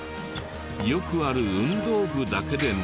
よくある運動部だけでなく。